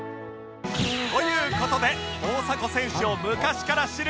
という事で大迫選手を昔から知る